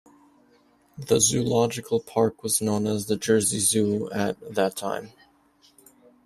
The zoological park was known as the "Jersey Zoo at" that time.